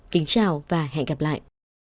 kính chào và hẹn gặp lại